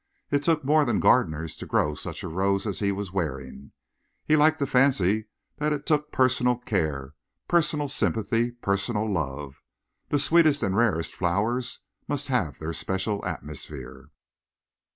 It took more than gardeners to grow such a rose as he was wearing. He liked to fancy that it took personal care, personal sympathy, personal love. The sweetest and rarest flowers must have their special atmosphere.